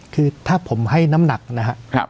คือถ้าผมให้น้ำหนักนะครับ